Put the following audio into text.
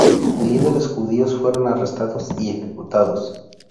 Líderes judíos fueron arrestados y ejecutados.